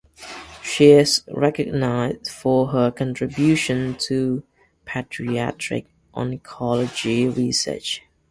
She is recognized for her contributions to pediatric oncology research.